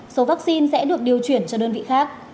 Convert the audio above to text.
số vaccine sẽ được điều chuyển cho đơn vị khác